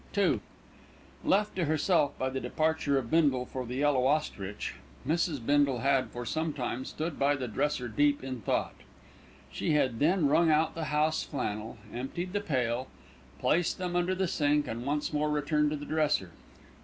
II Left to herself by the departure of Bindle for The Yellow Ostrich, Mrs. Bindle had, for some time, stood by the dresser deep in thought. She had then wrung out the house flannel, emptied the pail, placed them under the sink and once more returned to the dresser.